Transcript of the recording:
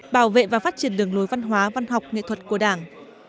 bảo vệ và phát triển đường lối văn hóa văn học nghệ thuật của đảng